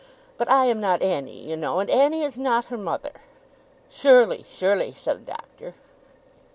But I am not Annie, you know; and Annie is not her mother.' 'Surely, surely,' said the Doctor.